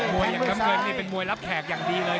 อย่างน้ำเงินนี่เป็นมวยรับแขกอย่างดีเลย